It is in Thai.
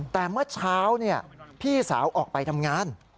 แต่เมื่อเช้าพี่สาวออกไปทำงาน